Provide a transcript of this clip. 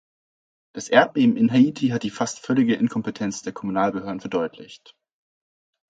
Das Erdbeben in Haiti hat die fast völlige Inkompetenz der Kommunalbehörden verdeutlicht.